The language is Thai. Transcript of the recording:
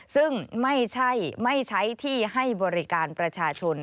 ซึ่งไม่ใช่ที่ให้บริการประชาชน